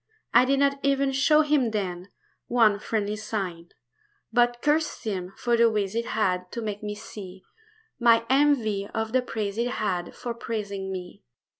I did not even show him then One friendly sign; But cursed him for the ways he had To make me see My envy of the praise he had For praising me.